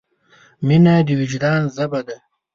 مینه د وجدان ژبه ده.